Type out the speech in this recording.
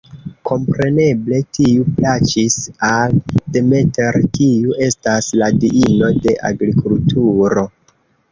Kompreneble tiu plaĉis al Demeter, kiu estas la diino de agrikulturo.